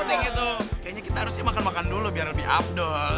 kayaknya kita harusnya makan makan dulu biar lebih abdol